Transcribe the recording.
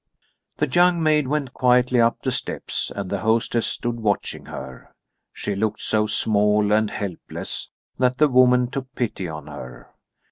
The young maid went quietly up the steps, and the hostess stood watching her. She looked so small and helpless that the woman took pity on her.